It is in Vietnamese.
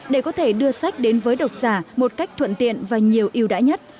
để có thể đưa sách đến với độc giả một cách thuận tiện và nhiều yêu đãi nhất